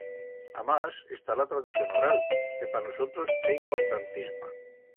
Amás, está la tradición oral, que pa nusatros é importantisma.